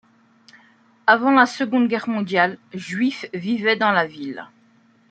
Avant la Seconde Guerre mondiale, Juifs vivaient dans la ville.